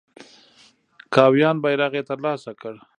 کاویان بیرغ یې تر لاسه کړ.